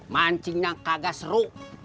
mancing yang kagak seru